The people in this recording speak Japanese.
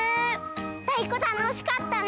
たいこたのしかったね！